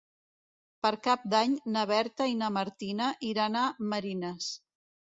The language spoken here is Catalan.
Per Cap d'Any na Berta i na Martina iran a Marines.